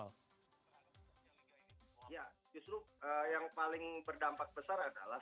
ya justru yang paling berdampak besar adalah